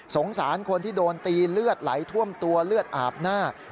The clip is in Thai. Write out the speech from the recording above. สารคนที่โดนตีเลือดไหลท่วมตัวเลือดอาบหน้า